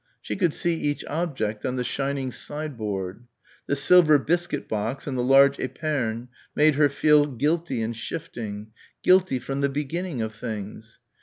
She could see each object on the shining sideboard. The silver biscuit box and the large épergne made her feel guilty and shifting, guilty from the beginning of things.